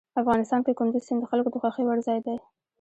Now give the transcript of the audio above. افغانستان کې کندز سیند د خلکو د خوښې وړ ځای دی.